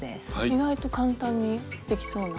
意外と簡単にできそうな。